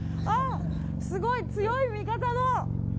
すごい強い見方だ。